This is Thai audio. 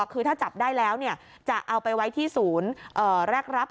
คือถ้าจับได้แล้วจะเอาไปไว้ที่ศูนย์แรกรับ